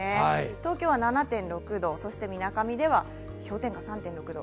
東京は７．６度、そしてみなかみでは氷点下３．６度。